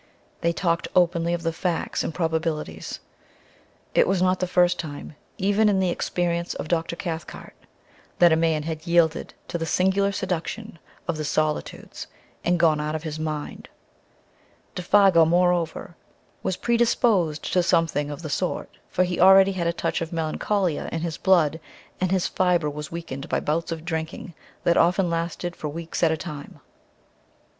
They talked openly of the facts and probabilities. It was not the first time, even in the experience of Dr. Cathcart, that a man had yielded to the singular seduction of the Solitudes and gone out of his mind; Défago, moreover, was predisposed to something of the sort, for he already had a touch of melancholia in his blood, and his fiber was weakened by bouts of drinking that often lasted for weeks at a time.